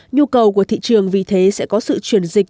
nhu cầu của thị trường vì thế sẽ có sự chuyển dịch